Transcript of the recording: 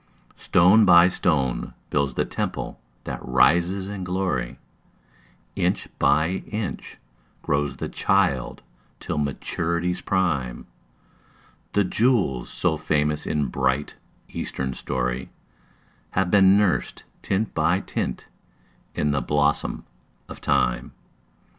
Stone by stone builds the temple that rises in glory, Inch by inch grows the child till maturity's prime; The jewels so famous in bright, Eastern story Have been nursed, tint by tint, in the blossom of Time.